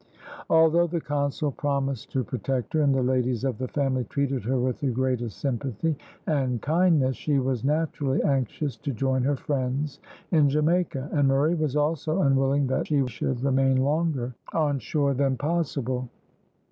Although the consul promised to protect her, and the ladies of the family treated her with the greatest sympathy and kindness, she was naturally anxious to join her friends in Jamaica, and Murray was also unwilling that she should remain longer on shore than possible.